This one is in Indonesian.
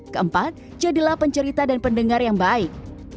keempat jadilah pencerita dan pendengar yang baik